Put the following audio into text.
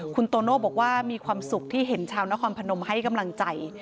คุณโตโน่บอกว่ามีความสุขที่เห็นชาวนครพนมให้กำลังใจ